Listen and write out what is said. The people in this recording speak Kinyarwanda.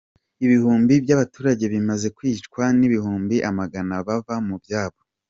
Ibihumbi by’abaturage bimaze kwicwa n’ibihumbi amagana bava mu byabo.